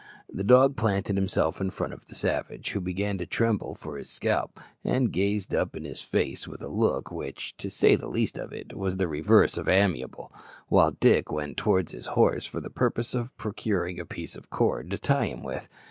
The dog planted himself in front of the savage, who began to tremble for his scalp, and gazed up in his face with a look which, to say the least of it, was the reverse of amiable, while Dick went towards his horse for the purpose of procuring a piece of cord to tie him with.